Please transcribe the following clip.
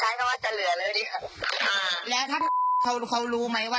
ใช้คำว่าจะเหลือแล้วดิครับอ่าแล้วท่านเขารู้ไหมว่า